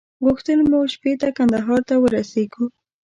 غوښتل مو شپې ته کندهار ته ورسېږو.